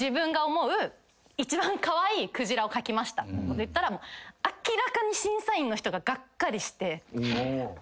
言ったら明らかに審査員の人ががっかりして。